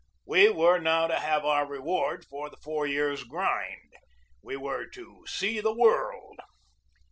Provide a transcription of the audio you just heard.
We were now to have our reward for the four years' grind. We were to see the world.